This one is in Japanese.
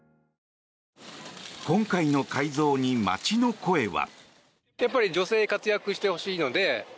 今回の改造に街の声は。